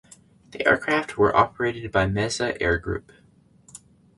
The aircraft were operated by Mesa Air Group.